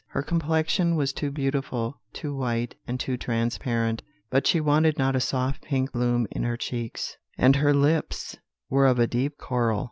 Her complexion was too beautiful, too white, and too transparent; but she wanted not a soft pink bloom in her cheeks, and her lips were of a deep coral.